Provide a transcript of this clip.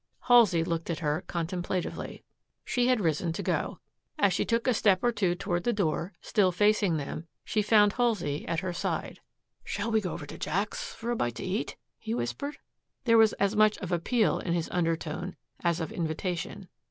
Halsey looked at her contemplatively. She had risen to go. As she took a step or two toward the door, still facing them, she found Halsey at her side. "Shall we go over to Jack's for a bite to eat?" he whispered. There was as much of appeal in his undertone as of invitation.